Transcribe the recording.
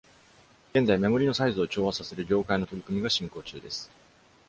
現在、目盛りのサイズを調和させる業界の取り組みが進行中です。